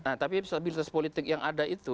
nah tapi stabilitas politik yang ada itu